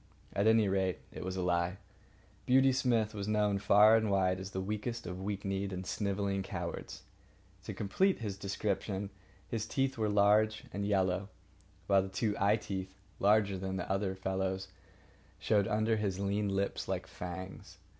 At any rate, it was a lie. Beauty Smith was known far and wide as the weakest of weak kneed and snivelling cowards. To complete his description, his teeth were large and yellow, while the two eye teeth, larger than their fellows, showed under his lean lips like fangs.